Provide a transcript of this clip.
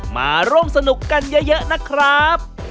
มาร่วมสนุกกันเยอะนะครับ